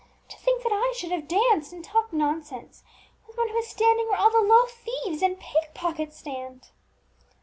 "To think that I should have danced and talked nonsense with one who is standing where all the low thieves and pickpockets stand!"